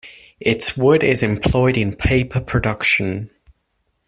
Its wood is employed in paper production.